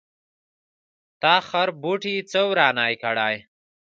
تا خربوټي څه ورانی کړی.